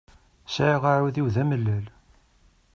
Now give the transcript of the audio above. Sɛiɣ aɛudiw d amellal.